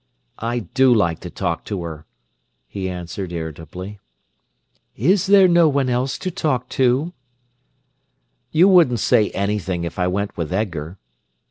"I do like to talk to her," he answered irritably. "Is there nobody else to talk to?" "You wouldn't say anything if I went with Edgar."